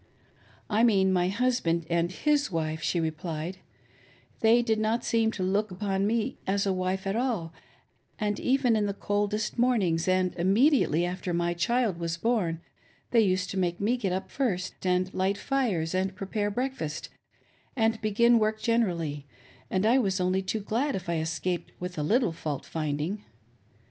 " I mean my husband and his wife," she replied ;" They did not seem to look upon me as a wife at all, and, even in the coldest mornings and immediately after my child was born, they used to make me get up first and light fires and pre pare breakfast and begin work generally, and I was only too glad if I escaped with a little fault finding.